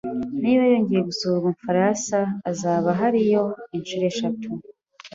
Niba yongeye gusura Ubufaransa, azaba ahariyo inshuro eshatu